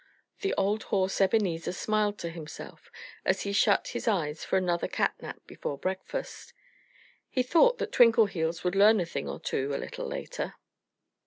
The old horse Ebenezer smiled to himself as he shut his eyes for another cat nap before breakfast. He thought that Twinkleheels would learn a thing or two, a little later.